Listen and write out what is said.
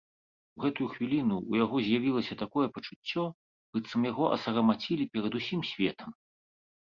У гэтую хвіліну ў яго з'явілася такое пачуццё, быццам яго асарамацілі перад усім светам.